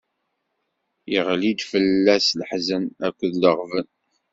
Iɣli-d fell-as leḥzen akked leɣben.